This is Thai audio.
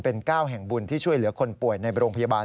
เป็น๙แห่งบุญที่ช่วยเหลือคนป่วยในโรงพยาบาล